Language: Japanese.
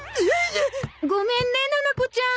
ごめんねななこちゃん。